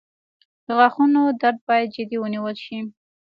• د غاښونو درد باید جدي ونیول شي.